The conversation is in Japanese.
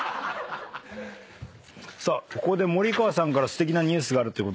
さあここで森川さんからすてきなニュースがあると。